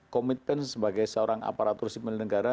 komitmen sebagai seorang aparatur sipil negara